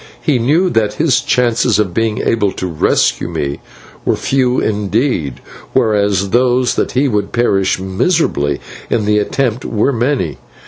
He knew that his chances of being able to rescue me were few indeed, whereas those that he would perish miserably in the attempt were many.